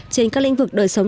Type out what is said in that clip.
trên các lĩnh vực đời sống